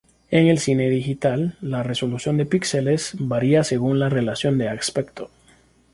En el cine digital, la resolución de píxeles varía según la relación de aspecto.